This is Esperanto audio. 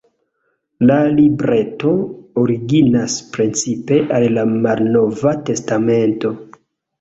La libreto originas precipe el la Malnova Testamento.